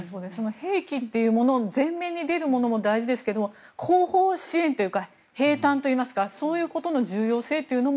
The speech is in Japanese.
兵器というもの前面に出るものも大事ですけど後方支援というか兵たんといいますかそういうことの重要性も。